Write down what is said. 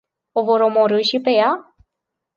O vor omorî și pe ea?